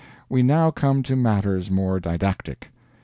We now come to matters more didactic.